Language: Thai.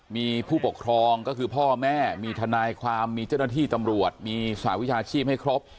มีผู้ปกครองก็คือพ่อแม่มีทนายความมีเจ้าหน้าที่ตำรวจมีสหวิชาชีพให้ครบ